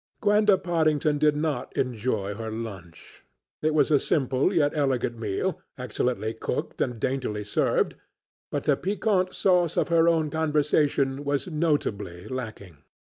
Gwenda Pottingdon did not enjoy her lunch. It was a simple yet elegant meal, excellently cooked and daintily served, but the piquant sauce of her own conversation was notably lacking.